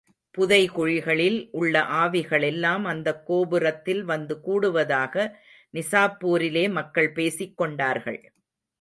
புதை குழிகளில் உள்ள ஆவிகளெல்லாம் அந்தக் கோபுரத்தில் வந்து கூடுவதாக நிசாப்பூரிலே மக்கள் பேசிக் கொண்டார்கள்.